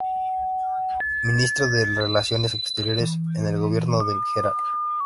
Ministro de Relaciones Exteriores, en el gobierno del Gral.